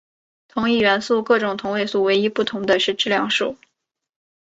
同一元素各种同位素唯一不同的是质量数。